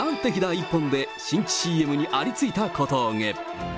一本で、新ＣＭにありついた小峠。